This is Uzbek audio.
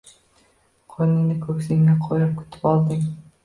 Qo’lingni ko’ksingga qo’yib kutib olding.